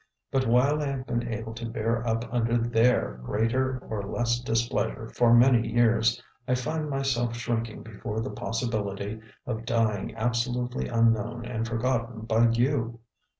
But while I have been able to bear up under their greater or less displeasure for many years, I find myself shrinking before the possibility of dying absolutely unknown and forgotten by you.